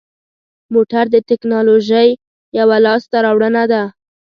موټر د تکنالوژۍ یوه لاسته راوړنه ده.